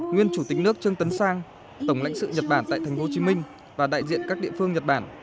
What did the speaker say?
nguyên chủ tịch nước trương tấn sang tổng lãnh sự nhật bản tại thành phố hồ chí minh và đại diện các địa phương nhật bản